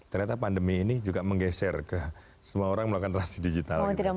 ternyata pandemi ini juga menggeser ke semua orang melakukan transisi digital